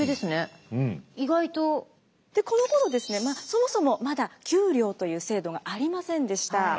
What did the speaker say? このころですねそもそもまだ給料という制度がありませんでした。